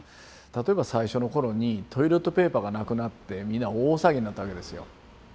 例えば最初の頃にトイレットペーパーがなくなって皆大騒ぎになったわけですよ。